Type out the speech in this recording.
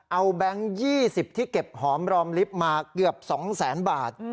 เอาแบงค์๒๐ที่เก็บหอมรอมลิฟต์มาเกือบ๒แสนบาท